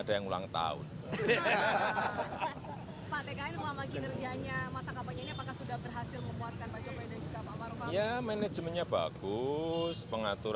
pak pkn mengamalki nergiannya masak apanya ini apakah sudah berhasil memuatkan pak jokowi dan juga pak paru paru